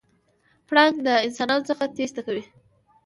پړانګ د انسانانو څخه تېښته کوي.